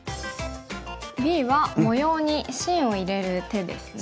Ｂは模様に芯を入れる手ですね。